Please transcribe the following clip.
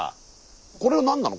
これは何なの？